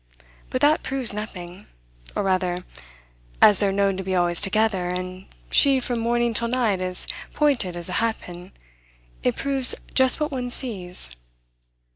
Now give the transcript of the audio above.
But that proves nothing or rather, as they're known to be always together, and she from morning till night as pointed as a hat pin, it proves just what one sees.